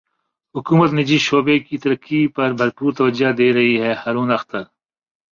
حکومت نجی شعبے کی ترقی پر بھرپور توجہ دے رہی ہے ہارون اختر